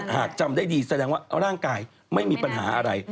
หากจำได้ดีแสดงว่าร่างกายไม่มีปัญหาอะไร